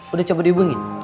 udah cepet dihubungin